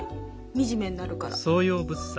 惨めになるから。